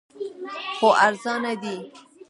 خو ارزانه دی